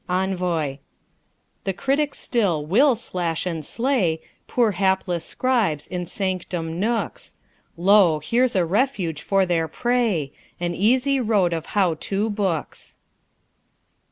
ENVOY The critics still will slash and slay Poor hapless scribes, in sanctum nooks; Lo! here's a refuge for their prey The easy road of "How To" books!